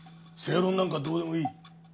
正論なんかどうでもいい。